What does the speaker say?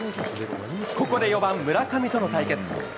ここで４番村上との対決。